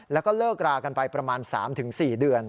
แล้วก็เลิกรากันไปประมาณ๓๔เดือน